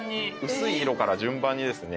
薄い色から順番にですね